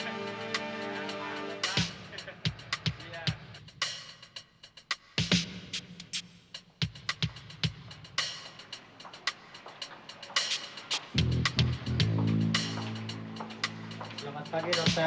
aku ingin kamu mencari dia